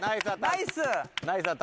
ナイス。